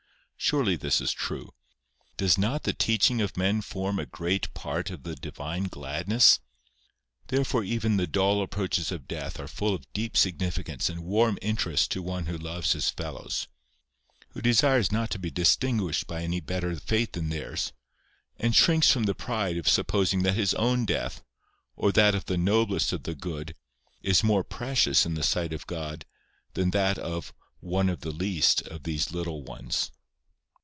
Surely this is true. Does not the teaching of men form a great part of the divine gladness? Therefore even the dull approaches of death are full of deep significance and warm interest to one who loves his fellows, who desires not to be distinguished by any better fate than theirs; and shrinks from the pride of supposing that his own death, or that of the noblest of the good, is more precious in the sight of God than that of "one of the least of these little ones."